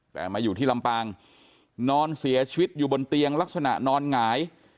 แต่มาอยู่ที่ลำปางนอนเสียชีวิตอยู่บนเตียงลักษณะนอนหงาย